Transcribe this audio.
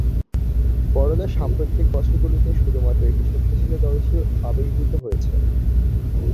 বরোদা সাম্প্রতিক বছরগুলিতে শুধুমাত্র একটি শক্তিশালী দল হিসেবে আবির্ভূত হয়েছে।